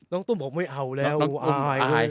น้องตุ้มบอกว่าไม่เอาแล้วอาย